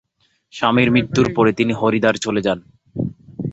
স্বামীর মৃত্যুর পরে তিনি হরিদ্বার চলে যান।